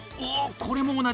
これも同じ！